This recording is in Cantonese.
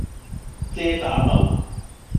遮打道